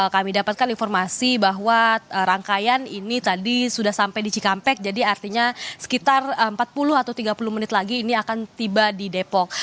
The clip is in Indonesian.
kami dapatkan informasi bahwa rangkaian ini tadi sudah sampai di cikampek jadi artinya sekitar empat puluh atau tiga puluh menit lagi ini akan tiba di depok